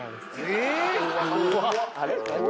えっ！？